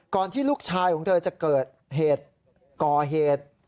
ที่ลูกชายของเธอจะเกิดเหตุก่อเหตุ